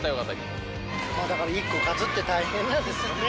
だから１個勝つって大変なんですよね。